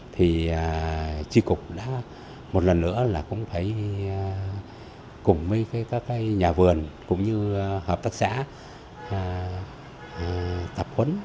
thì tri cục đã một lần nữa là cũng phải cùng với các nhà vườn cũng như hợp tác xã tập huấn